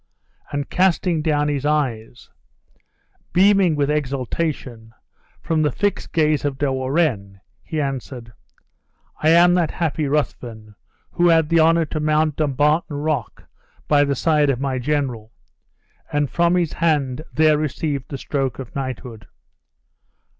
and, casting down his eyes, beaming with exultation, from the fixed gaze of De Warenne, he answered, "I am that happy Ruthven, who had the honor to mount Dumbarton Rock by the side of my general; and from his hand there received the stroke of knighthood."